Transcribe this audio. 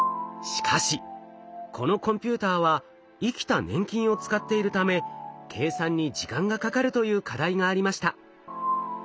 しかしこのコンピューターは生きた粘菌を使っているため計算に時間がかかるという課題がありました。